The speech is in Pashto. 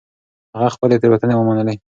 هغه خپلې تېروتنې ومنلې.